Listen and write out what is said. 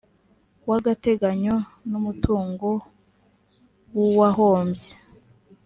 w agateganyo n umutungo w uwahombye